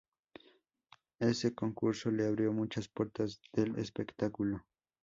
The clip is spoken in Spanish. Ese concurso le abrió muchas puertas del espectáculo.